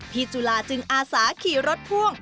จุฬาจึงอาสาขี่รถพ่วง